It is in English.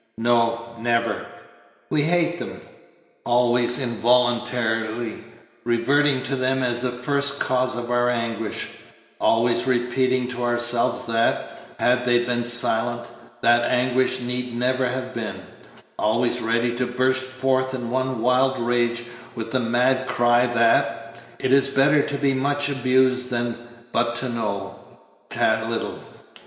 No, never. We hate them; always involuntarily reverting to them as the first cause of our anguish; always repeating to ourselves that, had they been silent, that anguish need never have been; always ready to burst forth in one wild rage with the mad cry that "it is better to be much abused than but to know 't a little."